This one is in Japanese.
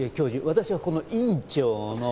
私はここの院長の。